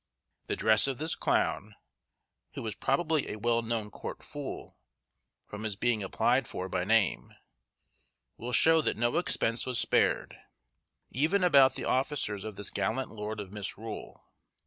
The dress of this clown, who was probably a well known court fool, from his being applied for by name, will show that no expense was spared, even about the officers of this gallant lord of Misrule.